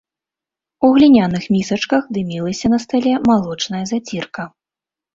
У гліняных місачках дымілася на стале малочная зацірка.